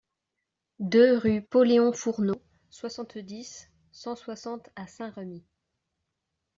deux rue Pauléon Fournot, soixante-dix, cent soixante à Saint-Remy